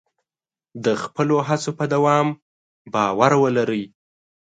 د خپلو هڅو په دوام باور ولرئ.